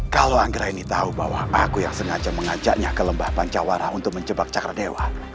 kalau anggra ini tahu bahwa aku yang sengaja mengajaknya ke lembah pancawara untuk menjebak cakar dewa